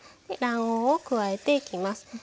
で卵黄を加えていきます。